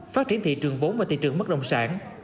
phát triển thị trường vốn và thị trường bất đồng sản